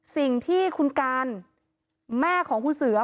สิ่งที่คุณการแม่ของคุณเสือ